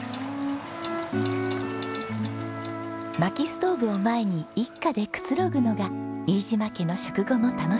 薪ストーブを前に一家でくつろぐのが飯島家の食後の楽しみです。